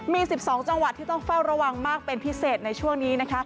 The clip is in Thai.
มี๑๒จังหวัดที่ต้องเฝ้าระวังมากเป็นพิเศษในช่วงนี้นะคะ